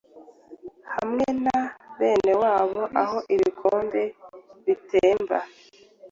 hamwe na benewabo aho ibikombe bitemba